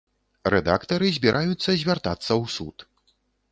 Рэдактары збіраюцца звяртацца ў суд.